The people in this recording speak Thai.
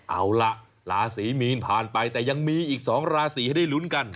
เอาล่ะราศีมีนผ่านไปแต่ยังมีอีก๒ราศีให้ได้ลุ้นกัน